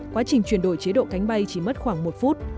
quá trình chuyển đổi chế độ cánh bay chỉ mất khoảng một phút